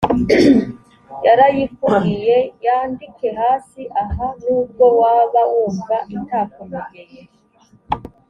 yarayikubwiye yandike hasi aha nubwo waba wumva itakunogeye